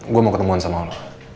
gue mau ketemuan sama allah